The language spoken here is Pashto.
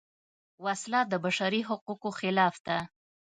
وسله د بشري حقونو خلاف ده